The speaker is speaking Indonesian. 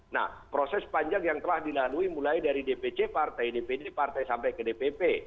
nah proses panjang yang telah dilalui mulai dari dpc partai dpd partai sampai ke dpp